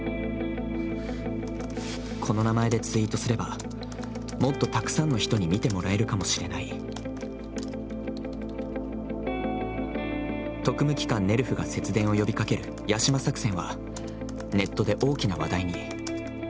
この名前でツイートすれば、もっとたくさんの人に見てもらえるかもしれない「特務機関ネルフ」が節電を呼びかける「ヤシマ作戦」はネットで大きな話題に。